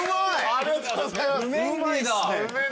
ありがとうございます。